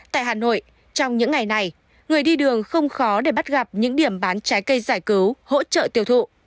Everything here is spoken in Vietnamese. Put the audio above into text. tại hà nội trong những ngày này người đi đường không khó để bắt gặp những điểm bán trái cây giải cứu hỗ trợ tiêu thụ